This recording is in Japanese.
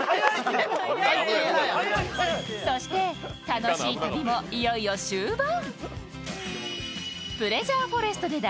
楽しい旅もいよいよ終盤。